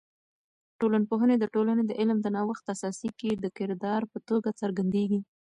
ټولنپوهی د ټولنې د علم د نوښت اساسي کې د کردار په توګه څرګندیږي.